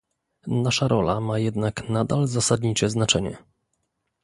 Nasza rola ma jednak nadal zasadnicze znaczenie